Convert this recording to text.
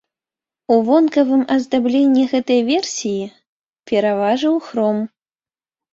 У вонкавым аздабленні гэтай версіі пераважаў хром.